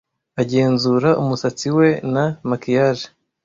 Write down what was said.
agenzura umusatsi we na maquillage.